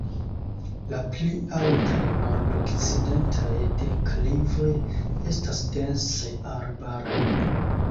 La pli altaj nordokcidentaj deklivoj estas dense arbaraj.